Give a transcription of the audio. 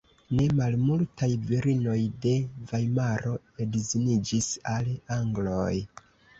Ne malmultaj virinoj de Vajmaro edziniĝis al angloj.